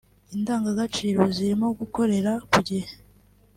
ingandagaciro zirimo gukorera ku gihe